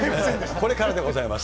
これからでございます。